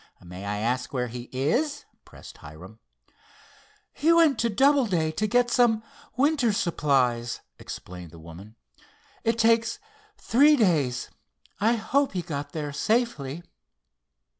"May I ask where he is?" pressed Hiram. "He went to Doubleday to get some winter supplies," explained the woman. "It takes three days. I hope he got there safely."